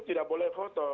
tidak boleh foto